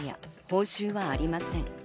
報酬はありません。